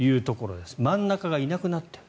真ん中がいなくなっている。